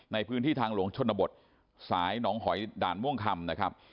ในพื้นที่ทางหลวงชนบทสายหนองหอยด่านม่วงคำนะครับ